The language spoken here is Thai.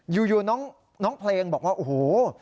อยู่น้องเพลงบอกว่าโอ้โห